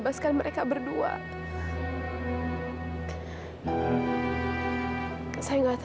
bapak tidak adil